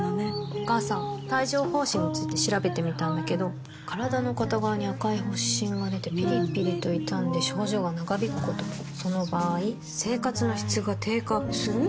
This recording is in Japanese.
お母さん帯状疱疹について調べてみたんだけど身体の片側に赤い発疹がでてピリピリと痛んで症状が長引くこともその場合生活の質が低下する？